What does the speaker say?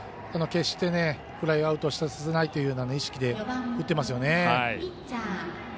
決してねフライアウトさせないという意識で打っていますよね。